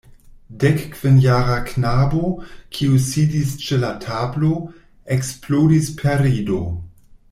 Dekkvinjara knabo, kiu sidis ĉe la tablo, eksplodis per rido.